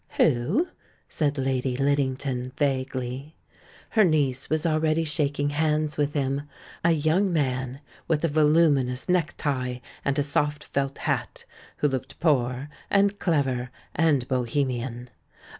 "Who?" said Lady Liddington, vaguely. Her niece was already shaking hands with him — a young man with a voluminous necktie and a soft felt hat, who looked poor and clever and bo hemian.